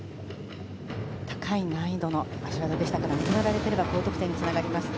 高い難易度の脚技でしたから認められていれば高得点につながります。